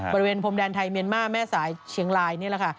บริเวณพรมแดนไทยเมียนมาร์แม่สายเชียงรายนี่แหละค่ะ